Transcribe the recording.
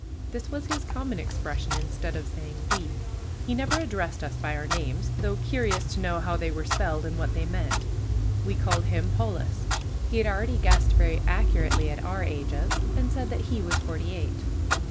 This was his common expression instead of saying "we." He never addressed us by our names, though curious to know how they were spelled and what they meant. We called him Polis. He had already guessed very accurately at our ages, and said that he was forty eight.